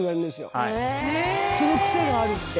そのクセがあるって。